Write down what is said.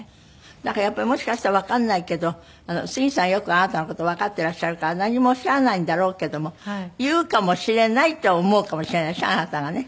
なんかやっぱりもしかしたらわからないけど杉さんよくあなたの事わかってらっしゃるから何もおっしゃらないんだろうけども言うかもしれないと思うかもしれないでしょあなたがね。